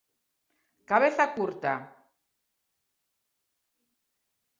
Cabeza curta.